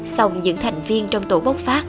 xong những thành viên trong tổ bốc phát